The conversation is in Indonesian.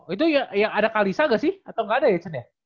itu yang ada kalisa ga sih atau ga ada ya cen ya